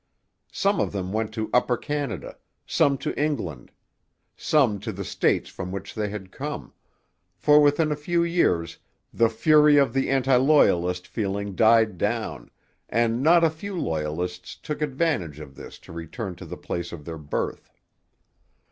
Some of them went to Upper Canada; some to England; some to the states from which they had come; for within a few years the fury of the anti Loyalist feeling died down, and not a few Loyalists took advantage of this to return to the place of their birth.